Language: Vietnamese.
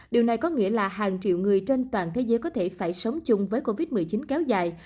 điều này có nghĩa là hàng triệu người trên toàn thế giới có thể phải sống chung với covid một mươi chín kéo dài